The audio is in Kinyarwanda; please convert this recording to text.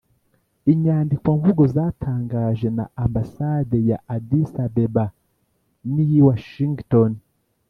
inyandikomvugo zatangaje na ambasade ya addis-abeba n'iy'i washington.